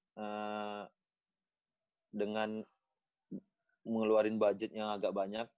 terus sekarang mereka bisa beli pemain dengan mengeluarin budget yang agak banyak